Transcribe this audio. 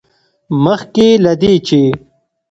مخکې له دې، چې